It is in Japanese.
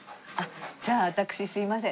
じゃあ私すいません。